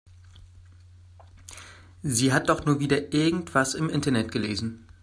Sie hat doch nur wieder irgendwas im Internet gelesen.